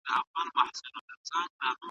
موږ د خپلو هنرمندانو په تخلیق ویاړو.